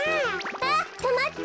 あっとまって！